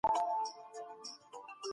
که له ماشوم سره ژمنه کوئ نو پوره یې کړئ.